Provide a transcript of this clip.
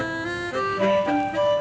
assalamualaikum warahmatullahi wabarakatuh